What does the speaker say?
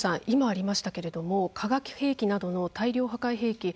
今ありましたが化学兵器などの大量破壊兵器